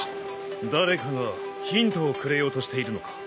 誰かがヒントをくれようとしているのか？